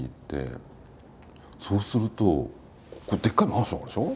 そうするとでっかいマンションあるでしょ。